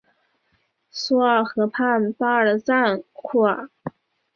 索尔河畔巴尔赞库尔。